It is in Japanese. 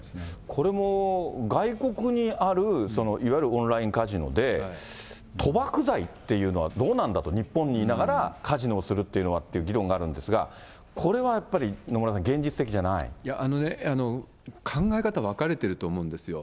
これも外国にある、いわゆるオンラインカジノで、賭博罪っていうのはどうなんだと、日本にいながらカジノをするっていうのはっていう議論があるんですが、これはやっぱり、野村さん、現実的考え方分かれてると思うんですよ。